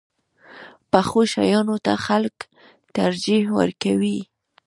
پخو شیانو ته خلک ترجیح ورکوي